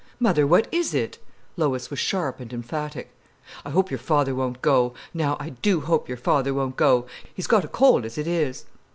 "Mother, what is it?" Lois was sharp and emphatic. "I hope your father won't go. Now I do hope your father won't go. He's got a cold as it is."